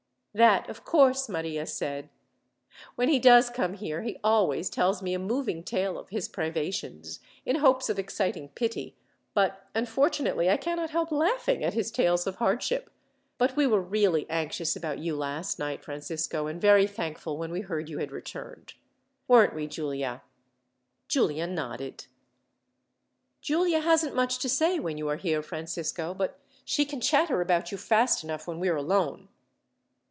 "That, of course," Maria said. "When he does come here, he always tells me a moving tale of his privations, in hopes of exciting pity; but, unfortunately, I cannot help laughing at his tales of hardship. But we were really anxious about you last night, Francisco, and very thankful when we heard you had returned. "Weren't we, Giulia?" Giulia nodded. "Giulia hasn't much to say when you are here, Francisco, but she can chatter about you fast enough when we are alone."